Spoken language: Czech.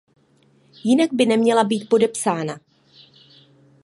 Jinak by neměla být podepsána.